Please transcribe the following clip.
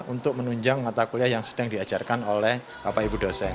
untuk menunjang mata kuliah yang sedang diajarkan oleh bapak ibu dosen